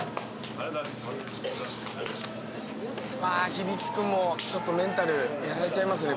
響君もメンタルやられちゃいますね